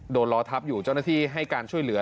ล้อทับอยู่เจ้าหน้าที่ให้การช่วยเหลือ